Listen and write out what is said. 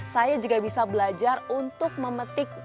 saya juga bisa belajar untuk memetik